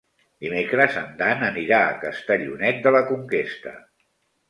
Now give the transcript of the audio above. Dimecres en Dan anirà a Castellonet de la Conquesta.